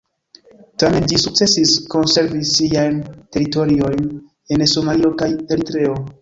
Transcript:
Tamen ĝi sukcesis konservi siajn teritoriojn en Somalio kaj Eritreo.